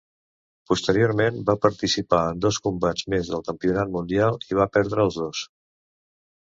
Posteriorment, va participar en dos combats més del campionat mundial i va perdre els dos.